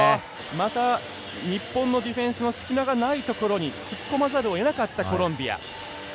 また日本のディフェンスの隙間がないところに突っ込まざるをえなかったコロンビア。